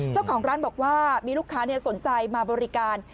เจ้าของร้านบอกว่ามีลูกค้าสนใจมาบริการ